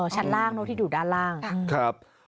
ชั้นล่างเนอะที่อยู่ด้านล่าง